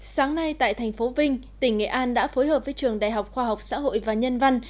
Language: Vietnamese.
sáng nay tại thành phố vinh tỉnh nghệ an đã phối hợp với trường đại học khoa học xã hội và nhân văn